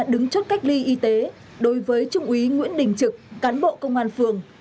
đứng chốt cách ly y tế đối với trung úy nguyễn đình trực cán bộ công an phường